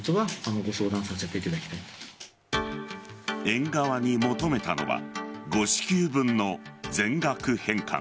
園側に求めたのは誤支給分の全額返還。